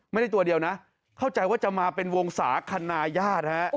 ไม่ได้ตัวเดียวนะเข้าใจว่าจะมาเป็นวงศาคณะญาติฮะ